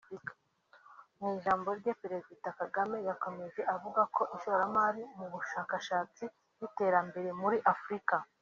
Mu ijambo rye Perezida Kagame yakomeje avuga ko ishoramari mu bushakashatsi n’iterambere muri Afrika